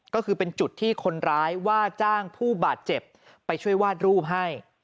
ก็คือเป็นจุดที่คนร้ายว่าจ้างผู้บาดเจ็บไปช่วยวาดรูปให้